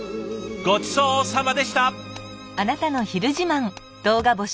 ごちそうさまでした。